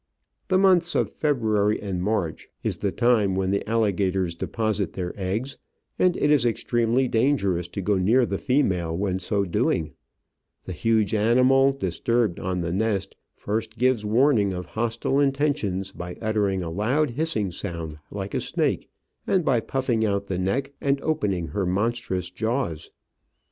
The months of February and March is the time when the alligators deposit their eggs, and it is extremely dangerous to go near the female when so doing ; the huge animal, disturbed on the nest, first gives warning of hostile intentions by uttering a loud, hissing sound, like a snake, and by puffing out the neck and opening her monstrous jaws.